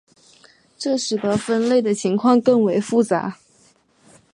这使得分类的情况更为复杂。